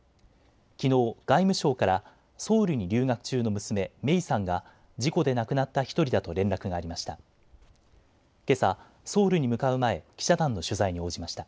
きのう、外務省からソウルに留学中の娘、芽生さんが事故で亡くなった１人だと連絡がありました。